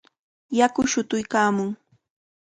Yaku shutuykaamun.